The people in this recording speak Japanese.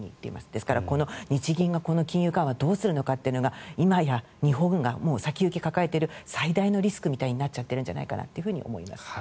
ですから、日銀がこの金融緩和どうするかというのが今や日本が先行きを抱えている最大のリスクになっちゃっているんじゃないかなと思います。